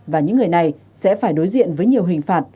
và những người này sẽ phải đối diện với nhiều hình phạt